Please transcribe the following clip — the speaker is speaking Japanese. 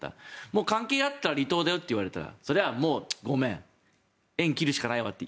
もう関係があったら離党だよって言われたらそれはもうごめん縁を切るしかないわと